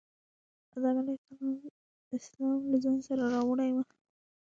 آدم علیه السلام له ځان سره راوړی و.